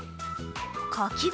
かき氷